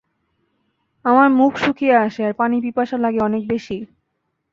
আমার মুখ শুকিয়ে আসে আর পানির পিপাসা লাগে অনেক বেশি।